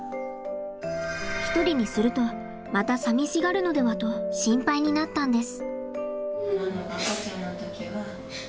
１人にするとまたさみしがるのではと心配になったんです。